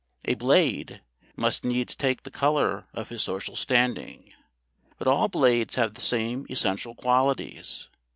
A Blade must needs take the colour of his social standing, but all Blades have the same essential qualities.